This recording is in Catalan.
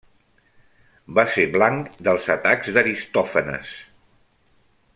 Va ser blanc dels Atacs d'Aristòfanes.